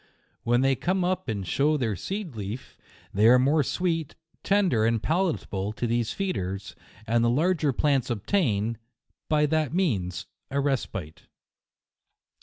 When they come up and show their seed leaf, they are more sweet, tender and palatable to these feeders, and the larger plants obtain, by that means, a respite.